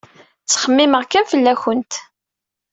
Ttxemmimeɣ kan fell-awent.